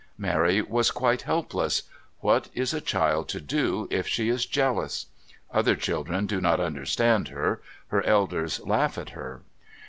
Mary was quite helpless. What is a child to do if she is jealous? Other children do not understand her, her elders laugh at her.